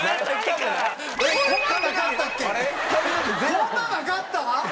こんななかったっけ？